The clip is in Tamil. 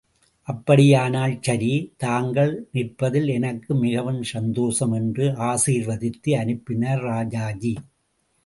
அப்படியானால் சரி, தாங்கள் நிற்பதில் எனக்கு மிகவும் சந்தோஷம் என்று ஆசீர்வதித்து அனுப்பினார் ராஜாஜி.